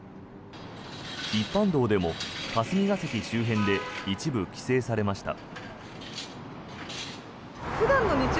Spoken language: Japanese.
一般道でも霞が関周辺で一部規制されました。